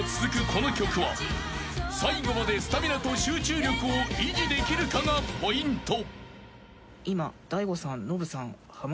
この曲は最後までスタミナと集中力を維持できるかがポイント］